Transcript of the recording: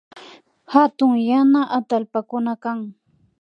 Hatun yana atallpakuna kan